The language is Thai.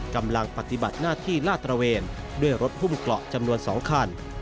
กำลังปฏิบัติหน้าที่ลาดตระเวนด้วยรถหุ้มเกราะจำนวน๒คัน